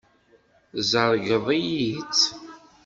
Tzergeḍ-iyi-tt.